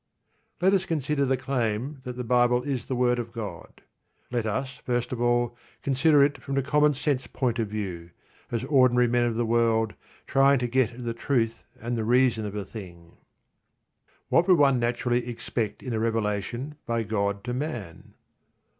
Let us consider the claim that the Bible is the word of God. Let us, first of all, consider it from the common sense point of view, as ordinary men of the world, trying to get at the truth and the reason of a thing. What would one naturally expect in a revelation by God to man?